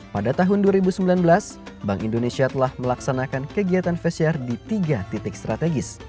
pada tahun dua ribu sembilan belas bank indonesia telah melaksanakan kegiatan festiar di tiga titik strategis